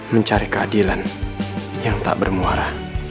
mencari keadilan yang tak bermuara